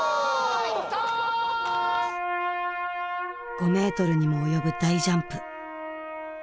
５メートルにも及ぶ大ジャンプ